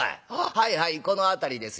「はいはいこの辺りですよ」。